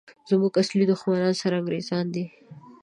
زموږ اصلي دښمنان سره انګریزان دي!